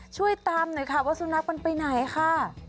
ช่วยตามหน่อยค่ะว่าสุนัขมันไปไหนค่ะ